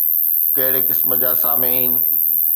ڪهڙي قسم جا سامعين؟